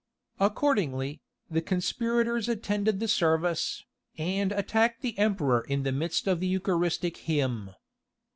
Accordingly, the conspirators attended the service, and attacked the Emperor in the midst of the Eucharistic hymn.